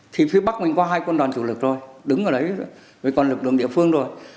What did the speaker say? thì phía bắc mình có hai quân đoàn chủ lực rồi đứng ở đấy rồi còn lực đường địa phương rồi